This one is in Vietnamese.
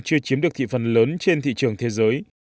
chưa chiếm được thị phần lớn trên thị trường thế giới